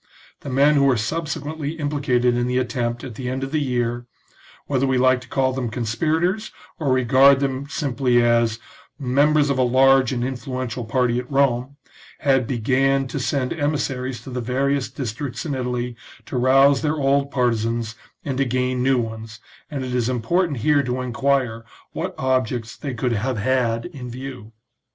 The men who were subsequently implicated in the attempt at the end of the year, whether we like to call them conspirators or regard them simply as " members of a large and influential party at Rome," had began to send emissaries to the various districts in Italy to rouse their old partisans and to gain new ones, and it is important here to enquire what objects they could have had in view.